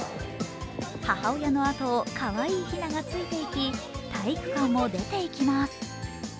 母親のあとをかわいいひながついていき、体育館を出ていきます。